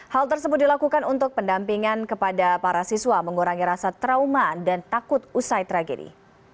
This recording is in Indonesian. hal tersebut dilakukan untuk pendampingan kepada para siswa mengurangi rasa trauma dan takut usai tragedi